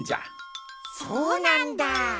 そうなんだ。